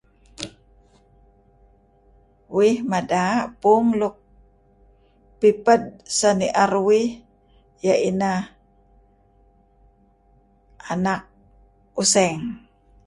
Uih mad' puung luk piped senier uih iyeh ineh anak useng.